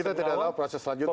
kita tidak tahu proses selanjutnya